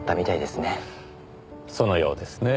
そのようですねぇ。